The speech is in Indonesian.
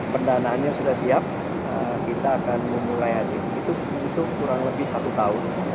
pendanaannya sudah siap kita akan memulai adik itu kurang lebih satu tahun